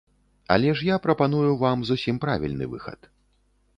Але ж я прапаную вам зусім правільны выхад.